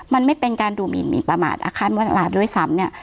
มันไม่เป็นการดูหมินหมินประมาทอาคารรัฐราชด้วยซ้ำเนี่ย